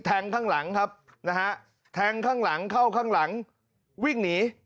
ข้างหลังครับนะฮะแทงข้างหลังเข้าข้างหลังวิ่งหนี